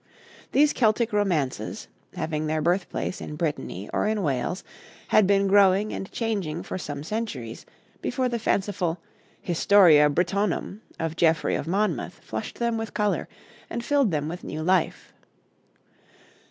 These Celtic romances, having their birthplace in Brittany or in Wales, had been growing and changing for some centuries, before the fanciful 'Historia Britonum' of Geoffrey of Monmouth flushed them with color and filled them with new life.